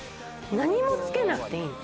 何もつけなくていい。